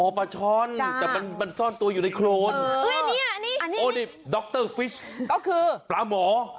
อ้าปลาช้อนผมปลาช้อนอยู่ในโครนนะโอ้นี่โดคเตอร์ฟีชปลาหมอ